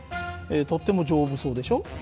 とっても丈夫そうでしょ？